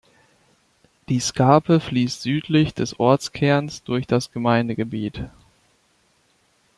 Die Scarpe fließt südlich des Ortskerns durch das Gemeindegebiet.